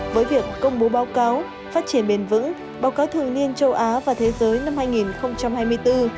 với việc công bố báo cáo phát triển bền vững báo cáo thường niên châu á và thế giới năm hai nghìn hai mươi bốn